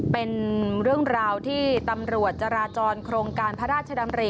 เป็นเรื่องราวที่ตำรวจจราจรโครงการพระราชดำริ